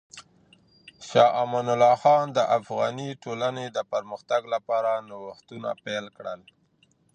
شاه امان الله خان د افغاني ټولنې د پرمختګ لپاره نوښتونه پیل کړل.